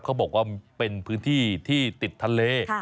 เขาบอกว่าเป็นพื้นที่ที่ติดทะเล